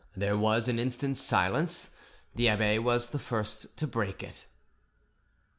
There was an instant's silence; the abbe was the first to break it.